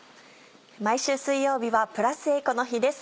毎週水曜日はプラスエコの日です。